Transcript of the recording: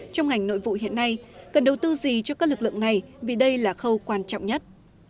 trong ngành nội vụ hiện nay cần đầu tư gì cho các lực lượng này vì đây là khâu quan trọng nhất